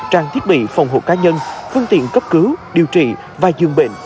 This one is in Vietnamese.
trang thiết bị phòng hộ cá nhân phương tiện cấp cứu điều trị và dương bệnh